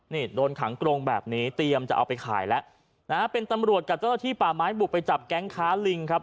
นี่โดนขังกรงแบบนี้เตรียมจะเอาไปขายแล้วนะฮะเป็นตำรวจกับเจ้าหน้าที่ป่าไม้บุกไปจับแก๊งค้าลิงครับ